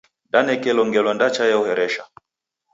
Danekelo ngelo ndacha ehoresha.